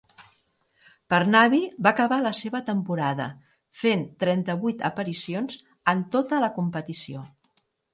Parnaby va acabar la seva temporada, fent trenta-vuit aparicions en tota la competició.